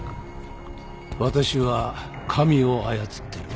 私は神を操っている。